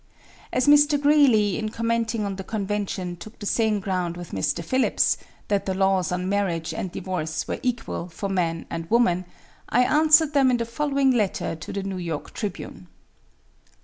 As Mr. Greeley, in commenting on the convention, took the same ground with Mr. Phillips, that the laws on marriage and divorce were equal for man and woman, I answered them in the following letter to the New York Tribune.